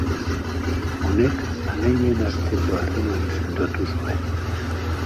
Honek anai bien arteko harreman sendotu zuen.